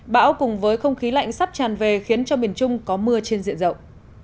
bão cùng với không khí lạnh sắp tràn về khiến cho miền trung có mưa trên diện rộng